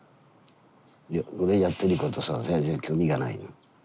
俺やってることさ全然興味がないの。